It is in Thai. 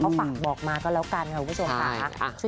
เขาฝากบอกมาก็แล้วกันค่ะคุณผู้ชมค่ะ